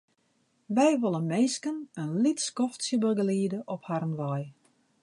Wy wolle minsken in lyts skoftsje begeliede op harren wei.